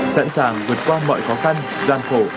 sẵn sàng vượt qua mọi khó khăn gian khổ